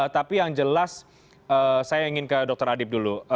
tapi yang jelas saya ingin ke dr adib dulu